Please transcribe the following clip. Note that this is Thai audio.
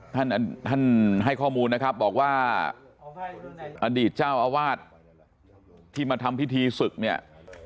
ท่านท่านให้ข้อมูลนะครับบอกว่าอดีตเจ้าอาวาสที่มาทำพิธีศึกเนี่ย